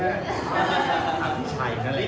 ก็คือเจ้าเม่าคืนนี้